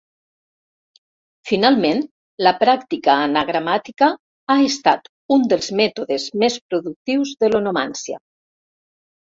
Finalment, la pràctica anagramàtica ha estat un dels mètodes més productius de l'onomància.